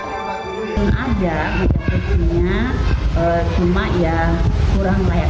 tidak ada makanya persisinya cuma yang kurang layak